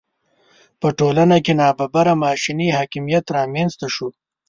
په ټولنه کې ناببره ماشیني حاکمیت رامېنځته شو.